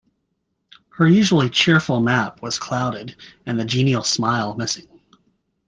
Her usually cheerful map was clouded, and the genial smile missing.